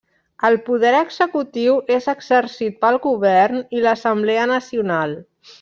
El poder executiu és exercit pel govern i l'Assemblea Nacional.